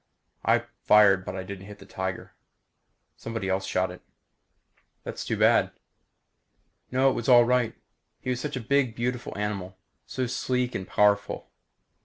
I fired but I didn't hit the tiger. Somebody else shot it." "That was too bad." "No, it was all right. He was such a big beautiful animal. So sleek and powerful."